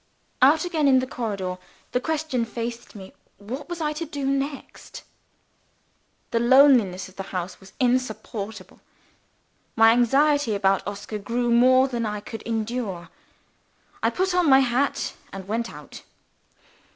Out again in the corridor, the question faced me: What was I to do next? The loneliness of the house was insupportable; my anxiety about Oscar grew more than I could endure. I put on my hat, and went out.